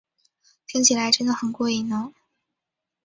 听起来真得很过瘾呢